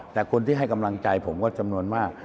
แต่คนที่ให้กำลังใจผมก็จำนวนมาก